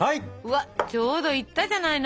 わっちょうどいったじゃないの？